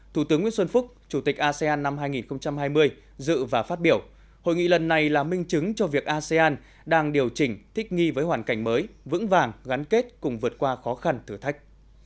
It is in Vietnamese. thủ tướng nguyễn xuân phúc chủ tịch asean năm hai nghìn hai mươi dự và phát biểu hội nghị lần này là minh chứng cho việc asean đang điều chỉnh thích nghi với hoàn cảnh mới vững vàng gắn kết cùng vượt qua khó khăn thử thách